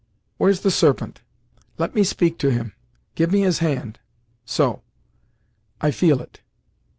"Where's the Serpent? Let me speak to him; give me his hand; so; I feel it.